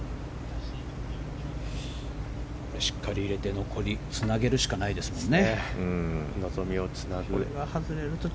しっかり入れて残りにつなげるしかないですね。